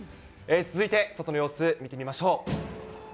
続いて、外の様子見てみましょう。